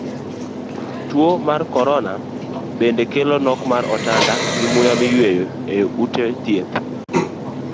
Tuo mar korona bende kelo nok mar otanda gi muya miyueyo e ute dhieth